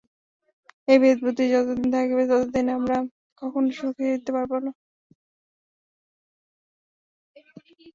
এই ভেদবুদ্ধি যতদিন থাকিবে, ততদিন আমরা কখনও সুখী হইতে পারি না।